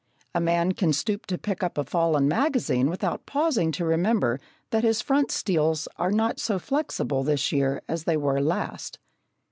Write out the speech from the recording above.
A man can stoop to pick up a fallen magazine without pausing to remember that his front steels are not so flexible this year as they were last.